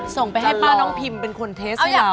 ส่งไปให้ป้าน้องพีมเป็นควรเทสต์ให้เรา